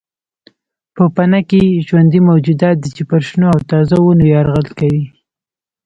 پوپنکي ژوندي موجودات دي چې پر شنو او تازه ونو یرغل کوي.